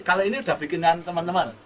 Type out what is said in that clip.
kalau ini udah bikin kan teman teman